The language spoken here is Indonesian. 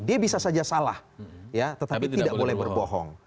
dia bisa saja salah ya tetapi tidak boleh berbohong